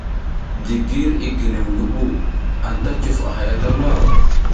Digir, i ginew ngi ɓu, anta cuf a haya ta waʼa.